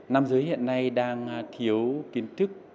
nam giới hiện nay đang thiếu kiến thức